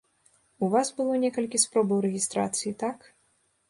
У вас было некалькі спробаў рэгістрацыі, так?